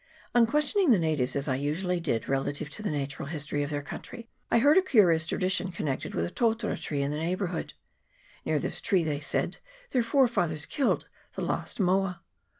On questioning the natives, as I usually did, re lative to the natural history of their country, I heard a curious tradition connected with a totara tree in the neighbourhood. Near this tree, they said, their forefathers killed the last moa.